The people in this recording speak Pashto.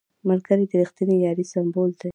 ملګری د رښتینې یارۍ سمبول دی